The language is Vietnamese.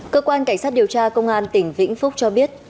cơ quan cảnh sát điều tra công an tỉnh vĩnh phúc cho biết